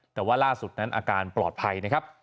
แต่ว่าล่าสุดนั้นอาการปลอดภัยนะครับ